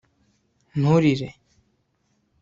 nturirire